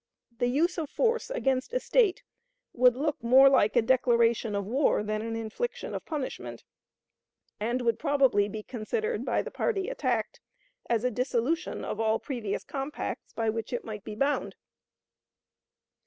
The use of force against a State would look more like a declaration of war than an infliction of punishment, and would probably be considered by the party attacked as a dissolution of all previous compacts by which it might be bound."